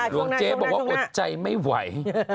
ลุงเจ็บว่าอดใจไม่ไหว